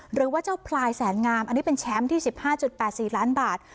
หรือว่าเจ้าพลายแสนงามอันนี้เป็นแชมป์ที่สิบห้าจุดแปดสี่ล้านบาท